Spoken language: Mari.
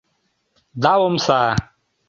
Да омса.